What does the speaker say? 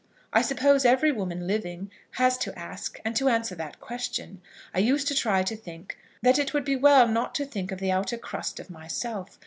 I suppose every woman living has to ask and to answer that question. I used to try to think that it would be well not to think of the outer crust of myself.